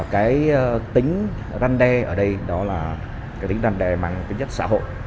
cái tính răn đe ở đây đó là tính răn đe mang tính chất xã hội